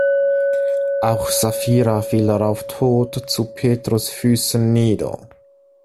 Auch Saphira fiel darauf tot zu Petrus’ Füßen nieder.